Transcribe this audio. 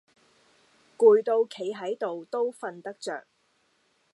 攰到企係到都訓得著